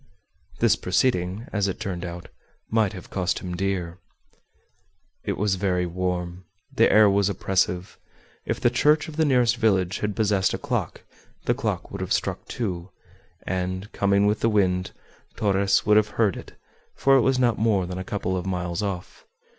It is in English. This proceeding, as it turned out, might have cost him dear. It was very warm; the air was oppressive. If the church of the nearest village had possessed a clock, the clock would have struck two, and, coming with the wind, Torres would have heard it, for it was not more than a couple of miles off.